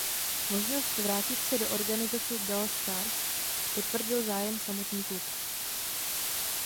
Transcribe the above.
Možnost vrátit se do organizace Dallas Stars potvrdil zájem samotný klub.